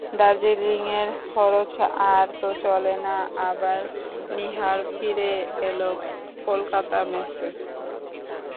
দার্জিলিঙের খরচ আর তো চলে না, আবার নীহার ফিরে এল কলকাতার মেসে।